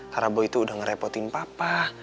karena boy itu udah ngerepotin papa